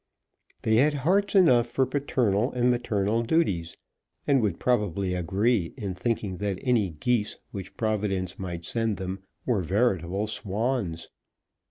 They had hearts enough for paternal and maternal duties, and would probably agree in thinking that any geese which Providence might send them were veritable swans.